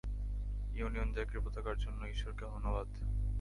Union জ্যাকের পতাকার জন্য ঈশ্বরকে ধন্যবাদ!